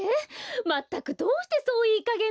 まったくどうしてそういいかげんなの？